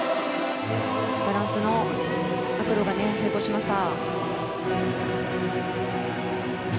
バランスのところが成功しました。